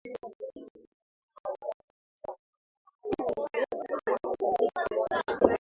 Poland katika wiki za karibuni na ni nyongeza ya wanajeshi wa Marekani